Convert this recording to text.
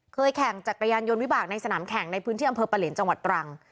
แข่งจักรยานยนต์วิบากในสนามแข่งในพื้นที่อำเภอปะเหลียนจังหวัดตรัง